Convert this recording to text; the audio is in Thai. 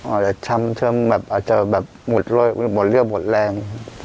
อาจจะหมดเลือบหมดแรง